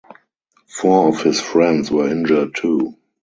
Four of his friends were injured too.